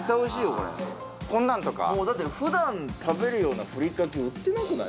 これこんなんとかもうだって普段食べるようなふりかけ売ってなくない？